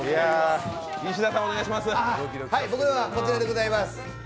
僕のはこちらでございます。